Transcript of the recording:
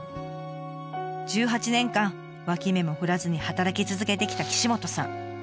１８年間脇目も振らずに働き続けてきた岸本さん。